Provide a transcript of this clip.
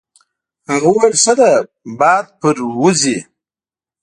هغه وویل: ښه ده باد پرې وځي.